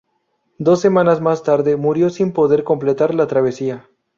Dos semanas más tarde murió sin poder completar la travesía.